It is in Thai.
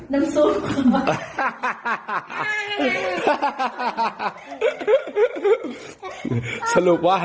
แล้วก็มาทำเองน้ำซุท